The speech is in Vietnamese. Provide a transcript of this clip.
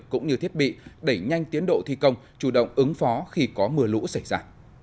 cũng như thiết bị đẩy nhanh tiến độ thi công chủ động ứng phó khi có mưa lũ xảy ra